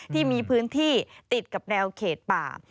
ที่มีพื้นที่ติดกับแนวเขตป่า